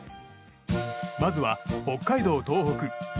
まずは、北海道・東北。